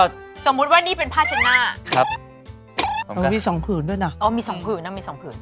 สมมุติว่านี่เป็นผ้าเช็ดหน้ามันมีสองผืนด้วยนะ